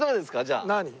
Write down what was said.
じゃあ。何？